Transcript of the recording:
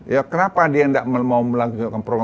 ya kenapa dia gak mau melanjutkan program